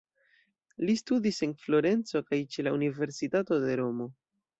Li studis en Florenco kaj ĉe la universitato de Romo.